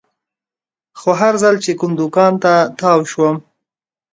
خو هر ځل چې کوم دوکان ته تاو شوم.